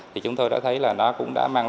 thì chúng tôi đã thấy là nó cũng đã mang